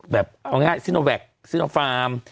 เอาง่ายซิโนแวคซิโนฟาร์ม